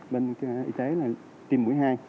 bên y tế là tiêm mũi hai